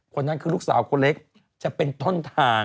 คนนั้นคือลูกสาวคนเล็กจะเป็นต้นทาง